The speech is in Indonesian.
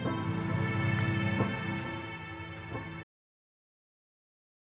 semoga ini tidak akan jadi kekacauan